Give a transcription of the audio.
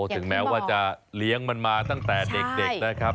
ถึงแม้ว่าจะเลี้ยงมันมาตั้งแต่เด็กนะครับ